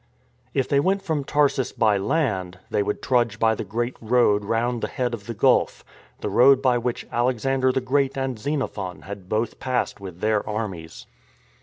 If they went from Tarsus by land they would trudge by the great road round the head of the gulf, the road by which Alexander the Great and Xenophon had both passed with their armies.